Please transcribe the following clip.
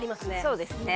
そうですね